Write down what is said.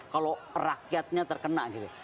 kalau rakyatnya terkena gitu